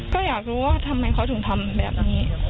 ก็อยากรู้ว่าทำไมเขาถึงทำแบบนี้